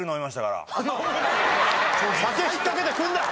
酒引っかけてくるな！